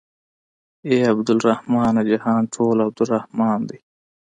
اې عبدالرحمنه جهان ټول عبدالرحمن دى.